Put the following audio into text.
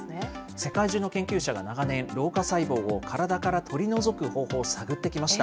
世界中の研究者が長年、老化細胞を体から取り除く方法を探ってきました。